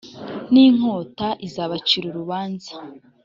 n inkota i nzabacira urubanza